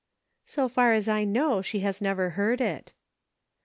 " So far as I know, she has never heard it."